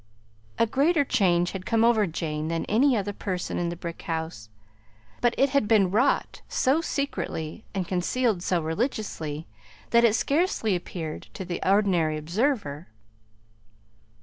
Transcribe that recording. A greater change had come over Jane than over any other person in the brick house, but it had been wrought so secretly, and concealed so religiously, that it scarcely appeared to the ordinary observer.